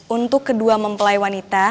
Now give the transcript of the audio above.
untuk kedua mempelai wanita